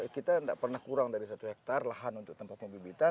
kita tidak pernah kurang dari satu hektare lahan untuk tempat pembibitan